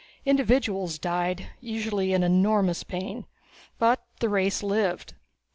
Individuals died, usually in enormous pain, but the race lived.